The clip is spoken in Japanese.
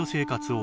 を